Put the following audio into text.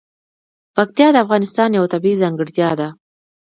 پکتیا د افغانستان یوه طبیعي ځانګړتیا ده.